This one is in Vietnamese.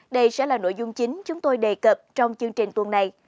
đây sẽ là nội dung chính chúng tôi đề cập trong chương trình tuần này